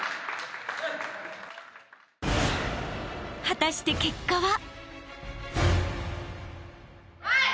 ［果たして結果は］